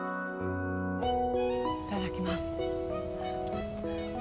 いただきます。